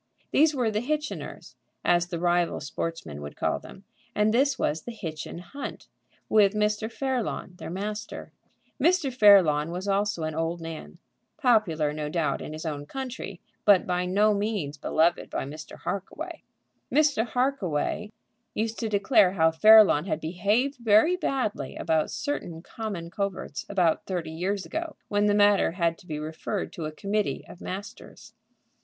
These were the Hitchiners, as the rival sportsmen would call them, and this was the Hitchin Hunt, with Mr. Fairlawn, their master. Mr. Fairlawn was also an old man, popular, no doubt, in his own country, but by no means beloved by Mr. Harkaway. Mr. Harkaway used to declare how Fairlawn had behaved very badly about certain common coverts about thirty years ago, when the matter had to be referred to a committee of masters.